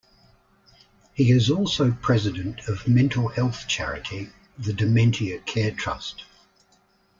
He is also President of mental health charity The Dementia Care Trust.